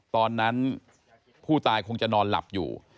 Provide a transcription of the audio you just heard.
ตอนนั้นผู้ตายคงจะนอนหลับอยู่